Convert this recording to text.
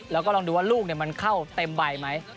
แล้วก็ลองดูว่าลูกมันเข้าเต็มใบไหม